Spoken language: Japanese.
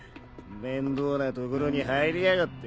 面倒な所に入りやがって。